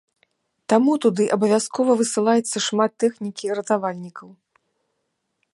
Таму туды абавязкова высылаецца шмат тэхнікі ратавальнікаў.